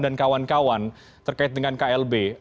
dan kawan kawan terkait dengan klb